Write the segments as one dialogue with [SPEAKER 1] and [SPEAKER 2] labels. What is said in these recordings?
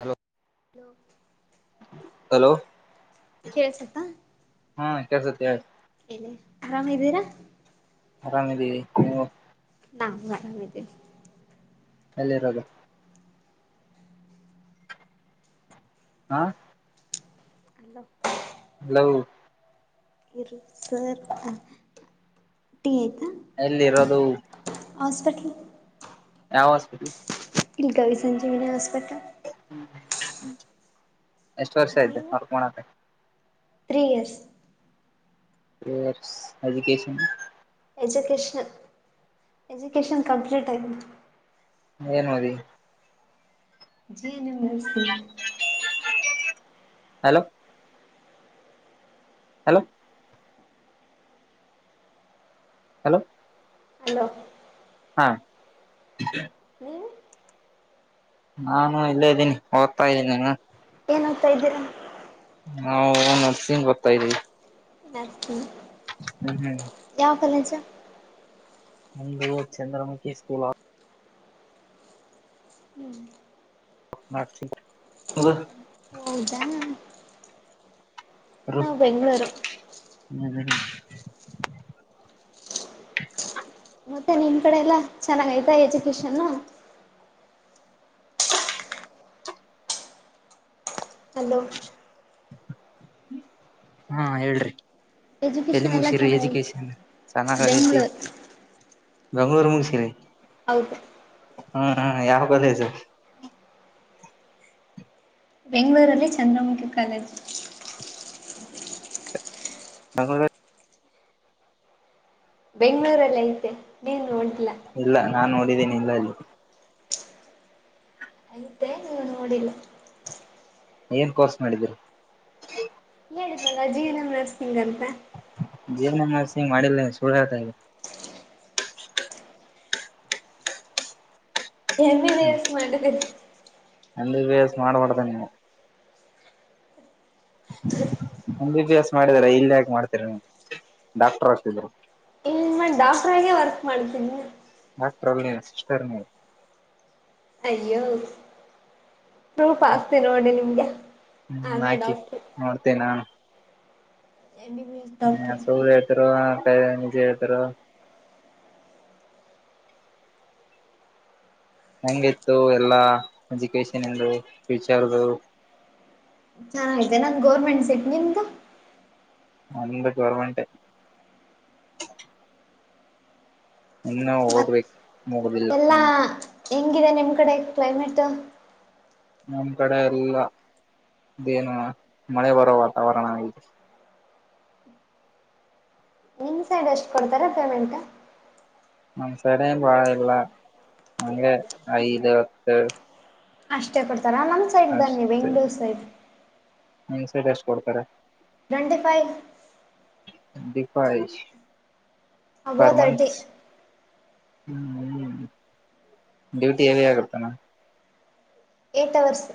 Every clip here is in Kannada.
[SPEAKER 1] ಹಲೋ
[SPEAKER 2] ಹೆಲೋ
[SPEAKER 1] ಹಲೋ
[SPEAKER 2] ಕೇಳ್ಸತ್ತಾ
[SPEAKER 1] ಹಾ ಕಸತ್ಯ ಹೇಳು
[SPEAKER 2] ಎಲ್ಲಿ ಆರಾಮ್ದೀರಾ
[SPEAKER 1] ಆರಾಮಿದೀವಿ ನೀವು
[SPEAKER 2] ನಾ ಆರಾಮದೆ
[SPEAKER 1] ಎಲ್ಲಿರೋದು ಹಾ
[SPEAKER 2] ಹೆಲೋ
[SPEAKER 1] ಹಲೋ
[SPEAKER 2] ಇರು ಸರ್ ಟೀ
[SPEAKER 1] ಎಲ್ಲಿರೋದು
[SPEAKER 2] ಹಾಸ್ಪಿಟಲ್
[SPEAKER 1] ಯಾವ ಹಾಸ್ಪಿಟಲ್
[SPEAKER 2] ಇಲ್ಲಿ ಗವಿ ಸಂಜೀವಿನಿ ಹಾಸ್ಪಿಟಲ್
[SPEAKER 1] ಎಷ್ಟ ವರ್ಷ ಆಯ್ತೆ
[SPEAKER 2] ನೀವು
[SPEAKER 1] ಹೊರ್ಕೋಕ
[SPEAKER 2] three years
[SPEAKER 1] three years education
[SPEAKER 2] education education complete ಆಯ್ತು
[SPEAKER 1] ಏನು ಮಾಡೆ
[SPEAKER 2] ಜಿ ನೀ nursing
[SPEAKER 1] hello hello hello
[SPEAKER 2] hello
[SPEAKER 1] ಹಾ
[SPEAKER 2] ನೀವು
[SPEAKER 1] ನಾನು ಇಲ್ಲೇ ಇದ್ದೀನಿ ಓದ್ತಾ ತಾ ಇದೇನೆ ನಾನು
[SPEAKER 2] ಏನು ಓಡಾಡೇರ
[SPEAKER 1] ನಾ ನರ್ಸಂಗ್ ಓದತೆಡೆವೆ
[SPEAKER 2] ನುರ್ಸಿನ್
[SPEAKER 1] [unintelligible] ಹ್ಮ ಹ್ಮ್
[SPEAKER 2] ತ್
[SPEAKER 1] ಅಂದು ಚಂದ್ರಮುಖಿ ಸ್ಕೂಲ್ ಅತ್ ಮಾಡಿಸಿಲ್ಲ [unintelligible] ಉದರ್
[SPEAKER 2] ಹೂ ಹೌದಾ ನಾವು ಬೆಂಗಳೂರು
[SPEAKER 1] ಹ್ಮ್ಮ [unintelligible]
[SPEAKER 2] ಮತ್ತೆ ನಿಮ್ ಕಡೆ ಎಲ್ಲಾ ಚೆನ್ನಾಗ ಐತಾ ಎಜುಕೇಶನ್ ಹಲೋ
[SPEAKER 1] [unintelligible] ಹಾ ಹೇಳ್ರಿ ಎಲ್ಲಿ
[SPEAKER 2] ಎಜುಕೇಷನ್ ಎಲ್ಲ
[SPEAKER 1] ಮುಗಿಸಿರಿ
[SPEAKER 2] ಚೆನ್ನಾಗೈತ
[SPEAKER 1] ಎಜುಕೇಶನ್ ಸನಾನಾಗೈತಿ
[SPEAKER 2] ಬೆಂಗಳೂರು
[SPEAKER 1] ಬೆಂಗಳೂರು ನೂ ಮುಗಿಸೇನೆ
[SPEAKER 2] ಹೌದು
[SPEAKER 1] ಹ್ಮ್ ಹ್ಮ್ ಯಾವ ಕಲೇಜ
[SPEAKER 2] ಬೆಂಗಳೂರುರಲ್ಲಿ ಚಂದ್ರಮುಖಿ ಕಾಲೇಜು
[SPEAKER 1] ಬಂಗೋಳೇ
[SPEAKER 2] ಬೆಂಗಳೂರಲ್ ಐತೆ ನೀನ್ ನೋಡಿಲ್ಲ
[SPEAKER 1] ಇಲ್ಲ ನಾನ್ ನೋಡಿದ್ದೇನೆ ಇಲ್ಲ ಇಲ್ಲಿ
[SPEAKER 2] ಆಯಿತೇ ನೀವ ನೋಡಿಲ್ಲ
[SPEAKER 1] ಏನ್ ಕೋರ್ಸ್ ಮಾಡಿದರು
[SPEAKER 2] ಹೇಳುದ್ನಲ್ಲ ಜಿ ಏನ್ ಎಂ ನರ್ಸಿಂಗ್ ಅಂತ
[SPEAKER 1] ಜಿ ಎನ್ ಎಂಆರ್ ಸಿಂಗ್ ಮಾಡಿಲ್ಲ ಸುಳ್ಳ ಹೇಳ್ತಾ ಇದ್ಯಾ
[SPEAKER 2] ಎಂ ಬಿ ಬಿ ಎಸ್ ಮಾಡಿದೀನಿ
[SPEAKER 1] ಎಂಬಿಬಿಎಸ್ ಮಾಡ್ದಂಗ ನೀನು
[SPEAKER 2] ಹ್ಮ
[SPEAKER 1] ಎ ಬಿ ಬಿ ಎಸ್ ಮಾಡಿದಾರ ಇಲ್ಲಿ ಯಾಕೆ ಮಾಡ್ತೀರ ನೀವು ಡಾಕ್ಟರ್ ಹಾಕ್ತಿದರು
[SPEAKER 2] ಮೇಲ್ ಡಾಕ್ಟರಿಗೆ ವರ್ಕ್ ಮಾಡ್ತೀನಿ
[SPEAKER 1] ಆಫ್ಟರಲ್ ನಿನ್ ಸಿಸ್ಟರ್ ನೀನು
[SPEAKER 2] ಅಯ್ಯೋ ಡುಪ ಆಸ್ತಿ ನೋಡಿ ನಿಮ್ಗೆ
[SPEAKER 1] ಹ್ಮ್
[SPEAKER 2] ಆಮೇ
[SPEAKER 1] ಹಾಕಿ
[SPEAKER 2] ಡಾಕ್ಟರ್
[SPEAKER 1] ನೋಡ್ತೆೇನೀ ನಾನು
[SPEAKER 2] ಎಂ ಬಿ ಬಿ ಎಸ್
[SPEAKER 1] ಹ
[SPEAKER 2] ಡಾಕ್ಟ್ರು
[SPEAKER 1] ಸೂರ್ಯ ಎದುರೋ ಹಾ ಕಾಯ್ ಮುಗಿದ್ರೋ ಹೆಂಗಿತ್ತು ಎಲ್ಲಾ ಎಜುಕೇಶನ್ ಇಂದು ಫ್ಯೂಚರ್ದು
[SPEAKER 2] ಚೆನ್ನಾಗತೆ ನನ್ ಗೌರ್ಮೆಂಟ್ ಸೆಟ್ ನಿಮ್ದು
[SPEAKER 1] ನಂದು ಗೌರ್ಮೆಂಟ್ ಇನ್ನೂ
[SPEAKER 2] ಮತ್
[SPEAKER 1] ಓದ್ಬೇಕು ಮುಗುದಿಲ್ಲ
[SPEAKER 2] ಎಲ್ಲಾ
[SPEAKER 1] ನಮ್ದು
[SPEAKER 2] ಹೆಂಗಿದೆ ನಿಮ್ ಕಡೆ ಕ್ಲೈಮೇಟ್
[SPEAKER 1] ನಮ್ ಕಡೆ ಎಲ್ಲಾ ಇದೇನು ಮಳೆ ಬರೋ ವಾತಾವರಣ ಆಯ್ತು
[SPEAKER 2] ನಿ ಸೈಡ್ ಎಷ್ಟು ಕೊಡ್ತಾರ ಪೇಮೆಂಟ್
[SPEAKER 1] ಮಂಸಾರನು ಪಾಳಲ್ಲ ಅಂದಗೆ ಐದು ಅತ್ತು
[SPEAKER 2] ಅಷ್ಟೇ ಕೊಡ್ತಾರ ನಮ್ ಸೈಡ್ ಬನ್ನಿ ಬೆಂಗಳೂರು ಸೈಡ್
[SPEAKER 1] ನಿಮ್ ಸಟ್ ಎಷ್ಟು ಕೊಡ್ತಾರೆ
[SPEAKER 2] ನೈಟಿ ಫೈವ್
[SPEAKER 1] ದೀಪ ಹಿ
[SPEAKER 2] ಅಬೊ ತರ್ಟಿ
[SPEAKER 1] ಹ್ಮ್ ಹ್ಮ ಡ್ಯೂಟಿ ಹಲ್ಲಿ ಆಗರ್ತಾನ
[SPEAKER 2] ಎಟ್ ಅವರ್ಸ್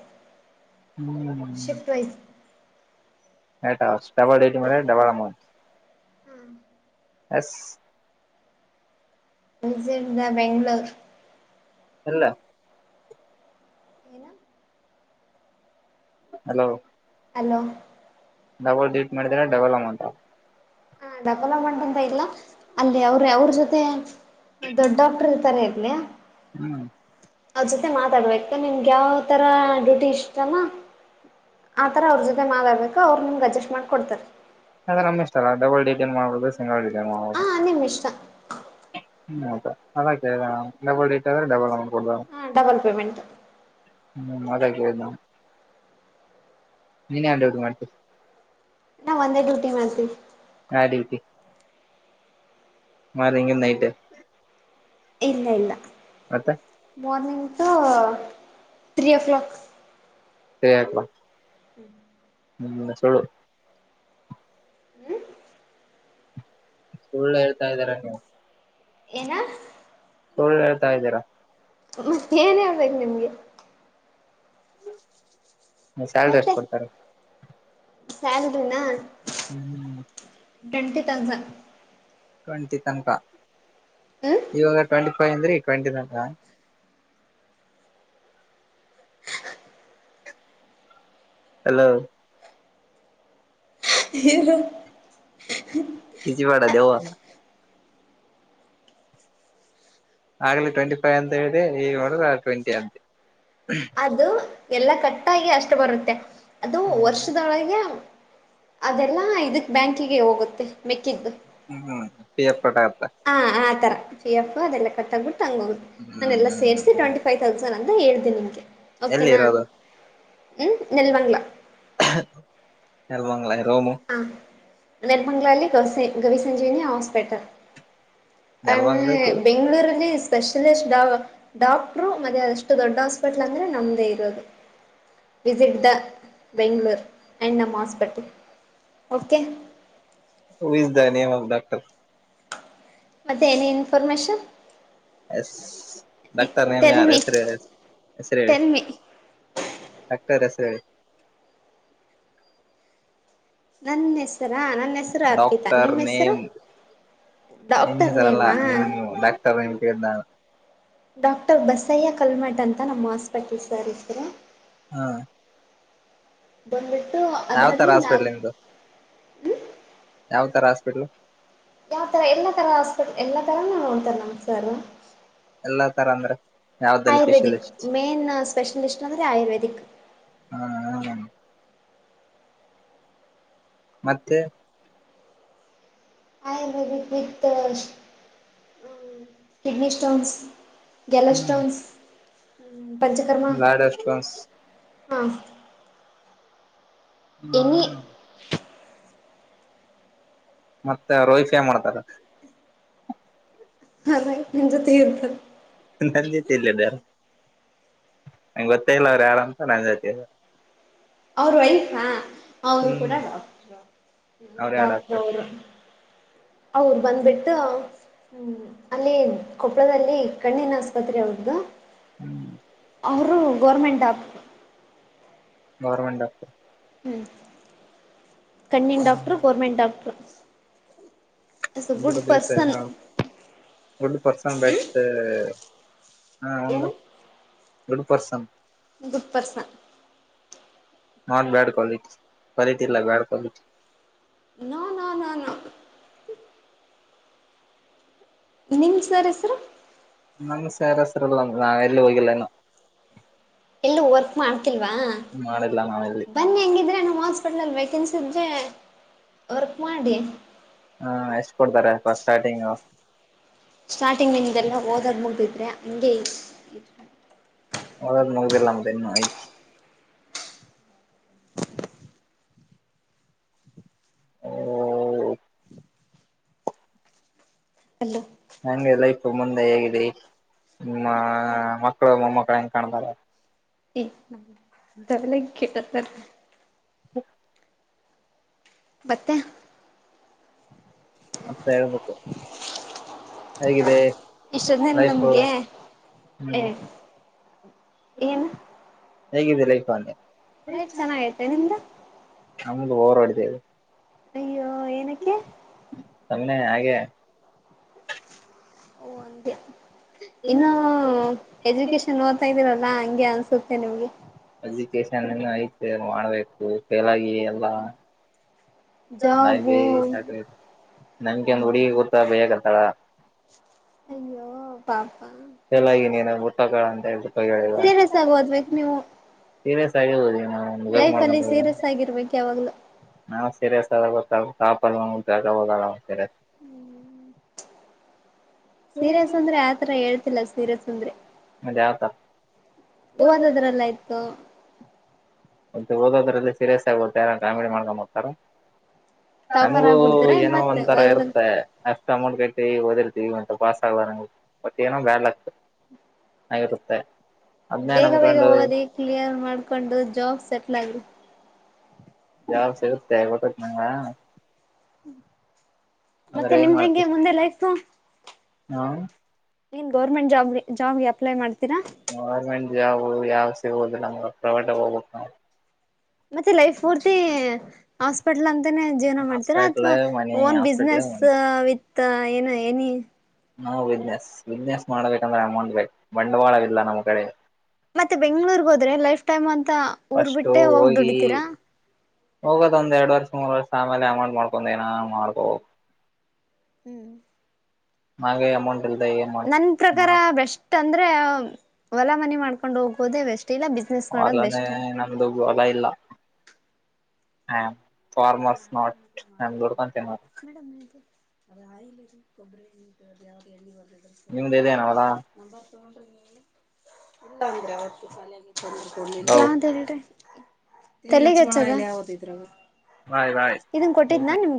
[SPEAKER 2] ಶಿಫ್ಟ್ ವೈಸ್
[SPEAKER 1] ಹ್ಮ್ ಹ ಡಬಲ್ ಟೈಮ್ ಡಬಲ ಅಮೌಂಟ್
[SPEAKER 2] ಹ್ಮ
[SPEAKER 1] ಎಸ್
[SPEAKER 2] ಅರ್ಜೆಂಡಾ ಬೆಂಗ್ಗಳೂರು
[SPEAKER 1] ಅಲ್ಲ
[SPEAKER 2] ಏನ
[SPEAKER 1] ಹಲೋ
[SPEAKER 2] ಹಲೋ
[SPEAKER 1] ಡಬಲ್ ಡಡಿಟ್ ಮಾಡಿದ್ರ ಡಬಲ್ ಅಮೌಂಟ್
[SPEAKER 2] ಹಾ ಡಕಲ ಮಾಡಂತ ಇಲ್ಲ ಅಲ್ಲಿ ಅವ್ರ ಅವ್ರ ಜೊತೆ ದೊಡ್ ಡಾಕ್ಟರ್ ಇರ್ತಾರ ಇರ್ಲಿಾ
[SPEAKER 1] ಹ್ಮ್
[SPEAKER 2] ಅದ್ ಜೊತೆ ಮಾತಾಡ್ಬೇಕಕ್ತ ನಿಮ್ಗೆ ಯಾವ ತರ ಡ್ಯೂಟಿ ಇಷ್ಟಮ್ಮ ಆತರ ಅವ್ರ ಜೊತೆ ಮಾತಾಡ್ಬೇಕು ಅವ್ರರು ನಿಮಗೆ ಅಡ್ಜಸ್ಟ್ ಮಾಡ್ಕ ಕೊಡ್ತಾರೆ
[SPEAKER 1] ಅದ ನಮ್ ಇಷ್ಟ ಅಲ್ಲ ಡಬಲ್ ಡಿಸೈನ್ ಮಾಡ್ಬೋದು ಸಿಂಗಲ್ ಡಿಸೈನ್ ಮಾಡ್ಬೋದು
[SPEAKER 2] ಹಾಂ ನಿಮ್ಮ ಇಷ್ಟ
[SPEAKER 1] ಹ್ಮ್ ಹೌದಾ ಅದ ಡಬಲ್ ಏಟ್ ಆದ್ರೆ ಡಬಲ್ ಅಮೌಂಟ್ ಕೊಡ್ತಾರ
[SPEAKER 2] ಹಾ ಡಬಲ್ ಪೇಮೆಂಟ್
[SPEAKER 1] ಹ್ಮ್ ಅದಕ್ಕೆೇಳಿದ್ದ ನೀನಯಾಕ್ ನ್ೋಡ್ ಮಾಡ್ತೀ
[SPEAKER 2] ನಾ ಒಂದೇ ಡ್ಯೂಟಿ ಮಾಡ್ತವಿ
[SPEAKER 1] ಹಾ ದೀವತಿ ಮರೆಂಗಿ ನೈಟ್
[SPEAKER 2] ಇಲ್ಲ ಇಲ್ಲ
[SPEAKER 1] ಮತ್ತೆ
[SPEAKER 2] ಮೋರ್ನಿಂಗ್ ಹ ತ್ರ್ರೀ ಓ ಕ್ಲಾಕ್
[SPEAKER 1] ಸೇಕ್ವಾ
[SPEAKER 2] ಹ್ಮ್
[SPEAKER 1] ಹ್ಮ್ ಸಳ್ಳ
[SPEAKER 2] ಹ್ಮ್
[SPEAKER 1] ಸುಳ್ಳ ಹೇಳ್ತಾ ಇದ್ದಾರ ನೀವು
[SPEAKER 2] ಏನ
[SPEAKER 1] ಸುಳ್ ಹೇಳ್ತಾ ಇದ್ದೀರಾ
[SPEAKER 2] ಮತ್ತೆ ಏನ್ ಹೇಳ್ಬೇಕು ನಿಮ್ಗೆ
[SPEAKER 1] ಸ್ಯಾಲ್ರಿ ಎಷ್ಟ ಕೊಡ್ತಾರೆ
[SPEAKER 2] ಸ್ಯಾಲರಿ ನ
[SPEAKER 1] ಹ್ಮ್
[SPEAKER 2] ಟ್ವೆಂಟಿ ಥೋಕ್ಸ್ಯಾಂಡ್
[SPEAKER 1] ಕಂಡ್ತಿ ತನಕ ಇವಾಗ ಟ್ವೆಂಟಿ ಫೈವ್ ಅಂದರಿ ಟ್ವೆಂಟಿ ನನ್ ಹಲೋ
[SPEAKER 2] ಹನು [inaudible]
[SPEAKER 1] ಕಿಸಿ ಬೇಡ ದವು ಆಗ್ಲಿ ಟ್ವೆಂಟಿ ಫೈವ್ ಅಂತ ಹೇಳ್ದೆ ಈಗ ನೋಡ್ರ ಟ್ವೆಂಟಿ ಅಂತೆ
[SPEAKER 2] ಅದು ಎಲ್ಲ ಕಟ್ಟಾಗಿ ಅಷ್ಟು ಬರುತ್ತೆ ಅದು
[SPEAKER 1] ಹ್ಮ್
[SPEAKER 2] ವರ್ಷದೊಳಗೆ ಅದೆಲ್ಲಾ ಇದಕ್ ಬ್ಯಾಂಕಿಗೆ ಹೋಗುತ್ತೆ ಮೆಕ್ಕಿದ್ದು
[SPEAKER 1] ಹ್ಮ ಹ್ಮ್ ಪಿಫ್ ಕಟತ್ತ
[SPEAKER 2] ಹ ಆ ತರ ಪಿ ಎಫ್ ಅದೆಲ್ಲ ಕಟ್ಟಬಟ್ಟ ಹಂಗ ಹೋಗ್ ನಾನ
[SPEAKER 1] ಹ್ಮ್
[SPEAKER 2] ಎಲ್ಲ ಸೇರ್ಸ
[SPEAKER 1] ಹ್ಮ್
[SPEAKER 2] ಟ್ವೆಟ ಫೈವ್ ತೌಸಂಡ ಅಂತ ಹೇಳ್ದನ ನಿಮಗೆ
[SPEAKER 1] ಎಲ್ಲಿ ಇರೋದು
[SPEAKER 2] ಹ್ಮ್ ನೆಲ್ ಮಂಗ್ಲ
[SPEAKER 1] ಎರ್ವಾಂಗಾ ಯದೋಮ
[SPEAKER 2] ನೆರ್ಮಂಗಲಲ್ಲಿ ಗೌವಿ ಸಂಂಜೀವಿನಿ ಹಾಸ್ಪಿಟಲ್ ಆಮೇ
[SPEAKER 1] ನೆಲಮಂಗಲ
[SPEAKER 2] ಬೆಂಗ್ಗಳೂರಲ್ಲಿ ಸ್ಪೆಷಲಿಸ್ಟ್ ಡಾಕ್ಟರು ಮತ್ತೆ ಅಷ್ಟು ದೊಡ್ಡ ಹಾಸ್ಪಿಟ್ಲ್ ಅಂದ್ರೆ ನಮ್ದೇ ಇರೋದು ವಿಿಸಿಿಟ್ ದ ಬೆಂಗ್ಳೂರು ಆಂಡ್ ನಮ್ hospital okay
[SPEAKER 1] who is the name of doctor
[SPEAKER 2] ಮತ್ತೆ ನ ಇನ್ಫರ್ಮೇಷನ್
[SPEAKER 1] ಎಸ್ ಡಾಕ್ಟಾರ್ನ ಯಾರ
[SPEAKER 2] ಮಿ
[SPEAKER 1] ಹೆಸರಿ ಹೇಳ ಹೆರಿ ಹೇಳಿ
[SPEAKER 2] ಟೆಲ್ ಮಿ
[SPEAKER 1] ಟಸ [inaudible]
[SPEAKER 2] ನನ್ನ ಹೆಸರಾ ನನ್ನ ಹೆಸರು ಅರ್ಪಿತಾ
[SPEAKER 1] ಡಾಕ್ಟರ್
[SPEAKER 2] ನಿಮ್ಮ ಹೆಸರು
[SPEAKER 1] ನೇಮ್ ನಿಮ್ಗೆ
[SPEAKER 2] ಡಾಕ್ಟರ್
[SPEAKER 1] ಹೆಸರಲ್ಲ
[SPEAKER 2] ನೇಮಾ
[SPEAKER 1] ನಿಮ್ ಡಾಕ್ಟರ್ ಗಿಡ್ಡ
[SPEAKER 2] ಡಾಕ್ಟರ್ ಬಸಯ್ಯ ಕಲ್ಮಠ ಅಂತ ನಮ್ಮ ಹಾಸ್ಪೆಟಲ್ ಸರ ಹೆಸರು
[SPEAKER 1] ಹ್ಮ
[SPEAKER 2] ಬಂದಬೇಕ
[SPEAKER 1] ಯಾವ್ ತರ ಹಾಸ್ಪಿಟ್ಲ್ ನಿಮ್ದು ಯಾವ ತರ ಹಾಸ್ಪಿಟ್ಲ್
[SPEAKER 2] ಯಾವ್ ತರ ಎಲ್ಲಾ ತರ ಆಸ್ಪಟ್ ಎಲ್ಲಾ ತರನ ನೋಡ್ತಾರ್ ನಮ್ ಸಾರ್
[SPEAKER 1] ಎಲ್ಲಾ ತರ ಅಂದ್ರೆ ಯಾವ್ದಲ್ಲಿ
[SPEAKER 2] ಆಯುರ್ವೇದಿಕ್
[SPEAKER 1] ಸ್ಪೆಷಲಿಸ್ಟ್
[SPEAKER 2] ಮೇನ್ ಸ್ಪೆಷಲಿಸ್ಟ್ ಅಂದ್ರೆ ಆಯುರ್ವೇದಿಕ್
[SPEAKER 1] ಹಾ ಹೌದ ಮತ್ತೆ
[SPEAKER 2] ವಿತ್ತ ಕಿಡ್ನಿ ಸ್ಟೋನ್ಸ್ ಗೆಲ್ಲ ಸ್ಟೋನ್ಸ್ ಪಂಚಕರ್ಮ
[SPEAKER 1] ಲಾಡಸ್ನ್ಸ್
[SPEAKER 2] ಹಾ ಎನಿ
[SPEAKER 1] ಹಾ ಮತ್ತೆ ರೋಹಿತ್ ಎನ್ ಮಾಡ್ತಾನ
[SPEAKER 2] ಆವರ ತಿಂದು ತ್ರಿ ಇರತನ್
[SPEAKER 1] ನೀ ತಂದಿದ್ ಎಲ್ಲಿ ಆದ [unintelligible]
[SPEAKER 2] ಅವ್ರ ವೈಫಾ ಅವರು ಕೂಡ
[SPEAKER 1] ಹ್ಮ್
[SPEAKER 2] ಡಾಕ್ಟ
[SPEAKER 1] ಅವ್ರ ಯಾವ
[SPEAKER 2] ಡಾಕ್ಟರ್ ಅವರು ಹೌದ ಬಂದ್ಬಿಟ್ಟು ಹ್ಮ್ ಅಲ್ಲಿ ಕೊಪ್ಪಳದಲ್ಲಿ ಕಣ್ಣಿನ ಆಸ್ಪತ್ರೆ ಅವ್ರುದು
[SPEAKER 1] ಹ್ಮ್
[SPEAKER 2] ಅವರು ಗೌರ್ಮೆಂಟ್ ಡಾಕ್
[SPEAKER 1] ಗೌರ್ಮೆಂಟ್ ಡಾಕ್ಟರ್
[SPEAKER 2] ಹ್ಮ್ ಕಣ್ಣಿನ ಡಾಕ್ಟಟ್ರು ಗೋರ್ಮೆಂಟ್ ಡಾಕ್ಟರು
[SPEAKER 1] ಒ ಬಸ
[SPEAKER 2] ಪರ್ಸನ್
[SPEAKER 1] ಗುಡ್ ಪರ್ಸನ್ ಬೆಟ್ಟ ಹಾ ಒಂದು
[SPEAKER 2] ಏನು
[SPEAKER 1] good person
[SPEAKER 2] good person
[SPEAKER 1] not bad quality ಕವ
[SPEAKER 2] ಹ್ಮ್
[SPEAKER 1] ಇಲ್ಲ bad quality
[SPEAKER 2] no no no no ನಿಮ ಸರ್ ಹೆಸರು
[SPEAKER 1] ನಮ್ಮ ಸರಸರಲ್ಲ ನಾಗಲ್ಲಿ ಹೋಗಲ್ಲಯಿನ್ನು
[SPEAKER 2] ವರ್ಕ್ ಮಾಡ್ತಿಲ್ವಾ
[SPEAKER 1] ಮಾಡಿಲ್ಲ ನಾವೆಲ್ಲಿ
[SPEAKER 2] ಬನ್ನಿ ಹೆಂಗಿದ್ರೆ ಹಾಸ್ಪಿಟಲಲ್ಲಿ ವೇಕೆನ್ಸಿ ಇದ್ರೆ ವರ್ಕ್ ಮಾಡಿ
[SPEAKER 1] ಹಾ ಎಷ್ಟ ಕೊಡ್ತಾರೆ ಫಸ್ಟ್ ಸ್ಟಾರ್ಟಿಂಗು
[SPEAKER 2] ಟಿಂಗ್ ನಿಿಂದೆಲ್ಲ ಓದಾಡ್ ಮುಗಬಟ್ರೆ ಹಂಗೆ ಇ
[SPEAKER 1] ಹಾಯ್ದ ಮುಗದಿಲ್ಲ ಎನ್ನ ನಮ್ಮದಿನು ಹ್ಮ
[SPEAKER 2] ಹಲೋ
[SPEAKER 1] ಹೆಂಗೆ ಲೈಫ್ ಮುಂದೆ ಹೇಗಿದೆ ನಿಮ್ಮ
[SPEAKER 2] ಲೈಫ್
[SPEAKER 1] ಮಕ್ಕಳು ಮೊಮ್ಮಕ್ಕಳು ಹೆಂಗ್ ಕಾಣಬಾರ
[SPEAKER 2] ಇಗ ಅವೆಲ್ಲ ಕೇಳಬಾರದು
[SPEAKER 1] ಹ್ಮ
[SPEAKER 2] ಬತ್ತೆ
[SPEAKER 1] ಮತ್ತೆ ಹೇಳ ಮತ್ತೆ ಹೇಗಿದೆ
[SPEAKER 2] ಇಷ್ಟೊದ್ನ
[SPEAKER 1] ಲೈಫು
[SPEAKER 2] ನಮ್ಗೆ ಏ
[SPEAKER 1] ಹ್ಮ್
[SPEAKER 2] ಏನು
[SPEAKER 1] ಹೇಗಿದೆ ಲೈಫ ಅಂದೆ
[SPEAKER 2] ಲೈಫ್ ಚೆನ್ನಾಗೈತೆ ನಿಮ್ದ
[SPEAKER 1] ನಮಗೆ ಓರವಹೊಡಿದು
[SPEAKER 2] ಅಯ್ಯೋ ಏನಕ್ಕೆ
[SPEAKER 1] ಸುಮ್ನೇ ಹಾಗೆ
[SPEAKER 2] ಅ ಇನ್ನು ಎಜುಕೇಶನ್ ಓದತಾ ಇದ್ದೀರ ಎಲ್ಲಾ ಹಂಗೆ ಅನ್ಸುತ್ತೆ ನಿಮ್ಗೆ
[SPEAKER 1] ಎಜುಕೇಶನ್ ಐತೆ ಮಾಡ್ಬೇಕು ಫೈಲಾಗಿ ಎಲ್ಲಾ ನ
[SPEAKER 2] ಜಾಬು
[SPEAKER 1] ಸಾಕ ನನ್ಗೆ ಒಂದ್ ಹುಡಿಗ ಕೂತ ಬೇ [unintelligible]
[SPEAKER 2] ಅಯ್ಯೋ ಪಾಪ
[SPEAKER 1] ಸ್ಪೆಷಲ್ ಆಗಿ ನೀನು ಊಟ ಕಂತ ಹೇಳ್ಬಿಟ್ಟು ಹೇಳಿದ
[SPEAKER 2] ಸೀರಿಯಸ್ ಆಗಿ ಓದ್ಬೇಕು ನೀವು
[SPEAKER 1] ಸೀರಿಯಸ್ ಆಗಿ ಹ ಮುಗ
[SPEAKER 2] ಲೈಫ್ ಅಲ್ಲಿ ಸೀರಿಯಸ್
[SPEAKER 1] [unintelligible]
[SPEAKER 2] ಆಗಿರ್ಬೇಕು ಯಾವಾಗ್ಲೂ
[SPEAKER 1] ನಾವು ಸೀರಿಯಸ್ ಆದ ಗೊ [unintelligible]
[SPEAKER 2] ಹ್ಮ್ ಸೀರಿಯಸ್ ಅಂದ್ರೆ ಆತರ ಹೇಳ್ತಿಲ್ಲ ಸೀರಿಯಸ್ ಅಂದ್ರೆ
[SPEAKER 1] ಮತ್ತೆ ಯಾವ ತರ
[SPEAKER 2] ಓದೋದ್ರಲ್ಲಿ ಆಯ್ತು
[SPEAKER 1] ಮತ್ತೆ ಓದೋದ್ರಲ್ಲ ಸೀರಿಯಸ್ ಆಗೆ ಯಾರ ಕಾಮಿಡಿ ಮಾಡ್ಕೊಂಡ್ ಓದ್ತಾರ
[SPEAKER 2] ಟಾಪರ್
[SPEAKER 1] ನಮ್ಗೂ
[SPEAKER 2] ಆಗ್ಬಿಡ್ತೀರಾ ಇನ್
[SPEAKER 1] ಏನೋ
[SPEAKER 2] ಮತ್ತೆ
[SPEAKER 1] ಒಂಥರ
[SPEAKER 2] ಓದೋದ್ರಲ್ಲಿ
[SPEAKER 1] ಇರುತ್ತೆ ಅಮೌಂಟ್ ಕಟ್ಟಿ ಓದಿರತಿವಿ ಮತ್ತ ಪಸ್ ಆಗಾರ ಮತ್ತ ಏನ [unintelligible] [unintelligible]
[SPEAKER 2] ಬೇಗ ಬೇಗ ಓದಿ ಕ್ಲಿಯರ್ ಮಾಡ್ಕೊಂಡು ಜಾಬ್ ಸೆಟ್ಲ್ ಆಗ್ರಿ
[SPEAKER 1] ಯಾವ ಸಿಗುತ್ತೆ ಗೊತ್ತೈತ್ ನಿಂಗ
[SPEAKER 2] ಮತ್ತೆ
[SPEAKER 1] ಏನ್ ಮಾಡ್ತಿ
[SPEAKER 2] ನಿಮ್ದಂಗೆ ಮುಂದೆ ಲೈಫು
[SPEAKER 1] ಹಾ
[SPEAKER 2] ನೀನ್ ಗೌರ್ಮೆಂಟ್ ಜಾಬ್ ಜಾಬ್ಗೆ ಅಪ್ಲೈ ಮಾಡ
[SPEAKER 1] ಗವರ್ಮೆಂಟ್ ಜಾಬು ಯಾವ ಸಿಗುದಿಲ್ಲ ನಮ ಪ್ರೈವೇಟಗ ಹೋಗ್ಬೇಕ ನವು
[SPEAKER 2] ಮತ್ತೆ ಲೈಫ್ ಮೂರ್ತಿ ಹಾಸ್ಪಿಟಲ್ ಅಂತನೇ ಜೀವನ
[SPEAKER 1] ನಾವು
[SPEAKER 2] ಮಾಡ್ತೀರಾ
[SPEAKER 1] ಹಾಸ್ಪಿಟ್ಲ್
[SPEAKER 2] ಅಥವಾ
[SPEAKER 1] money
[SPEAKER 2] own
[SPEAKER 1] hospital
[SPEAKER 2] business
[SPEAKER 1] money
[SPEAKER 2] ಅಂತ ಏನ ಏನಿ
[SPEAKER 1] ನಾವು ಬಿಸ್ನೆಸ್ ಬಿಸ್ನೆಸ್ ಮಾಡಬೇಕಂದ್ರೆ ಅಮೌಂಟ್ ಬೇಕು ಬಂಡವಾಳವಿಲ್ಲ ನಮ್ಮ್ ಕಡೆ
[SPEAKER 2] ಮತ್ತೆ ಬೆಂಗ್ಳೂರ್ಗ್ ಹೋದ್ರೆ ಲೈಫ್ ಟೈಮ್ ಅಂತ ಊರ್
[SPEAKER 1] ಫಸ್ಟ್
[SPEAKER 2] ಬಿಟ್ಟೆ ಹೋಗ ದುಡಿತೀರಾ
[SPEAKER 1] ಹೋಗದ ಒಂದ್ ಎರಡು ವರ್ಷ ಮೂರ್ ವರ್ಷ ಆಮೇಲೆ ಅಮೌಂಟ್ ಮಾಡ್ಕೊಂಡು ಏನ ಮಾಡಬಹುದು
[SPEAKER 2] ಹ್ಮ್
[SPEAKER 1] ನಂಗ ಅಮೌಂಟು
[SPEAKER 2] ನನ್ ಪ್ರಕಾರ ಬೆಸ್ಟ್ ಅಂದ್ರೆ ಹೊಲ ಮನಿ ಮಾಡ್ಕೊಂಡ್ ಹೋಗೋದೇ ಬೆಸ್ಟ್ ಇಲ್ಲ ಬಿಸ್ನೆಸ್ ಮಾಡೋದ್
[SPEAKER 1] ಹೊಲನೆ
[SPEAKER 2] ಬೆಸ್ಟ್
[SPEAKER 1] ನನ್ನದು ಹೊಲ ಇಲ್ಲ ಹ ಫಾರ್ಮಸ ನೋಟ್
[SPEAKER 2] [unintelligible]
[SPEAKER 1] ನಿಮ್ದ ಇದೇನ ಹೊಲ
[SPEAKER 2] [unintelligible] [unintelligible] ತಲೆಗೆ ಹಚ್ಚದ
[SPEAKER 1] ಬಾಯ್ ಬಾಯ್
[SPEAKER 2] ಇದನ್ ಕೊಟ್ಟಿದ್ನಾ ನಿಮ್ಗೆ